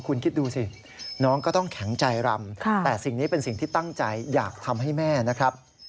คุณคิดดูสิน้องก็ต้องแข็งใจรำแต่สิ่งนี้เป็นสิ่งที่ตั้งใจอยากทำให้แม่นะครับ